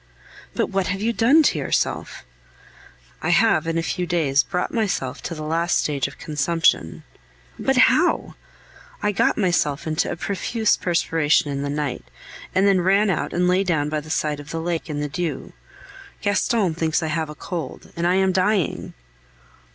"But what have you done to yourself?" "I have in a few days brought myself to the last stage of consumption." "But how?" "I got myself into a profuse perspiration in the night, and then ran out and lay down by the side of the lake in the dew. Gaston thinks I have a cold, and I am dying!"